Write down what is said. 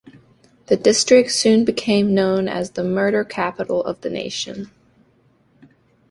The District soon became known as the "murder capital" of the nation.